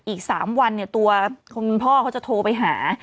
อีก๓วันตัวคุณพ่อเขาจะโทรไปหา